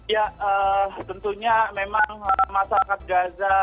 ya tentunya memang masyarakat gaza